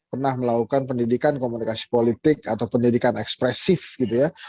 pernah melakukan pendidikan komunikasi politik atau pendidikan ekspresif gitu ya